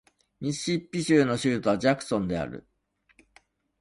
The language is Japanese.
ミシシッピ州の州都はジャクソンである